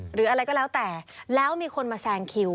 หรืออะไรก็แล้วแต่แล้วมีคนมาแซงคิว